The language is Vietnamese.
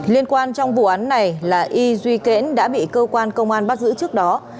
liên quan trong vụ án này là y duy kẽn đã bị cơ quan công an bắt giữ trước đó